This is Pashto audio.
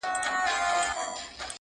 چي د عیش پیمانه نه غواړې نسکوره!!